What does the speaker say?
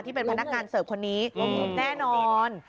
ที่เป็นพนักงานเสิร์ฟคนนี้แน่นอน